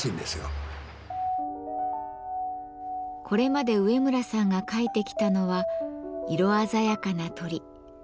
これまで上村さんが描いてきたのは色鮮やかな鳥。